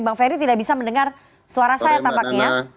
bang ferry tidak bisa mendengar suara saya tampaknya